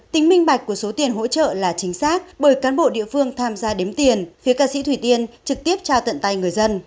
tính minh bạch của số tiền hỗ trợ là chính xác bởi cán bộ địa phương tham gia đếm tiền phía ca sĩ thủy tiên trực tiếp trao tận tay người dân